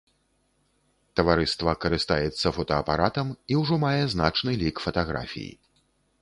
Таварыства карыстаецца фотаапаратам і ўжо мае значны лік фатаграфій.